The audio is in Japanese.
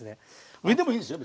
上でもいいんですよ